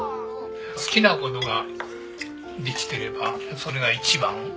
好きな事ができてればそれが一番。